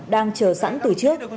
đang chờ sẵn từ trước